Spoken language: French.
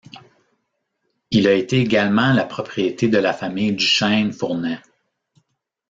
Il a été également la propriété de la famille Duchesne-Fournet.